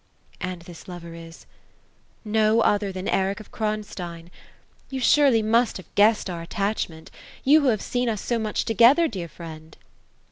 " And this lover is V^ " No other than Eric of Kronstein. You surely must have guessed our attachment. You who have seen us so much together, dear friend